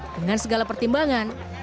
dengan segala pertimbangan